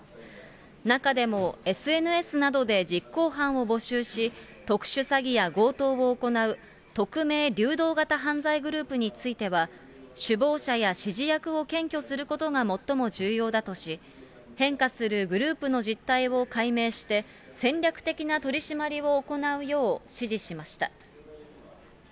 中でもＳＮＳなどで実行犯を募集し、特殊詐欺や強盗を行う匿名・流動型犯罪グループについては、首謀者や指示役を検挙することが最も重要だとし、変化するグループの実態を解明して、戦略的な取締りを行うよう指示しました。